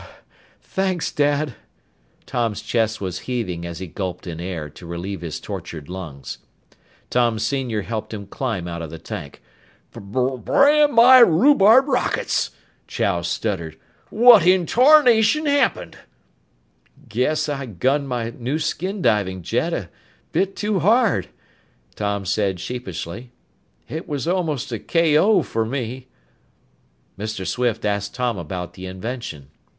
Th thanks, Dad!" Tom's chest was heaving as he gulped in air to relieve his tortured lungs. Tom Sr. helped him climb out of the tank. "B b brand my rhubarb rockets," Chow stuttered. "What in tarnation happened?" "Guess I gunned my new skin diving jet a bit too hard," Tom said sheepishly. "It was almost a K.O. for me!" Mr. Swift asked Tom about the invention.